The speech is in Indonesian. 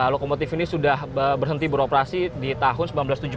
lokomotif ini sudah berhenti beroperasi di tahun seribu sembilan ratus tujuh puluh